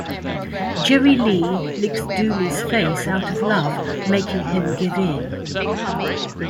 Jerry Lee licks Dooley's face out of love, making him give in.